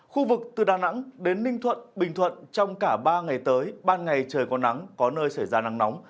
khu vực từ đà nẵng đến ninh thuận bình thuận trong cả ba ngày tới ban ngày trời có nắng có nơi xảy ra nắng nóng